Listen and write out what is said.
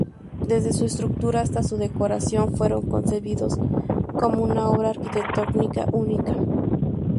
Desde su estructura hasta su decoración fueron concebidos como una obra arquitectónica única.